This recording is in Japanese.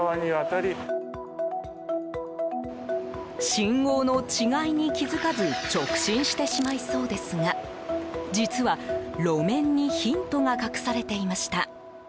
信号の違いに気付かず直進してしまいそうですが実は、路面にヒントが隠されていました。